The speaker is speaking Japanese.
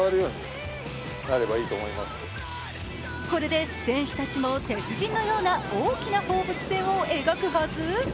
これで選手たちも鉄人のような大きな放物線を描くはず？